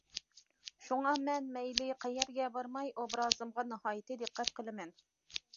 شۇڭا مەن مەيلى قەيەرگە بارماي، ئوبرازىمغا ناھايىتى دىققەت قىلىمەن.